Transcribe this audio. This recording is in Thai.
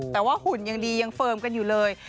แต่ว่าหุ่นยังดียังเฟิร์มกันอยู่เลย